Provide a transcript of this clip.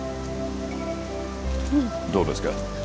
どうですか？